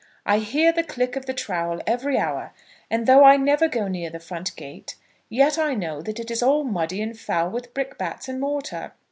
I hear the click of the trowel every hour, and though I never go near the front gate, yet I know that it is all muddy and foul with brickbats and mortar.